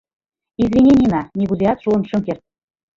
Извини, Нина, нигузеат шуын шым керт.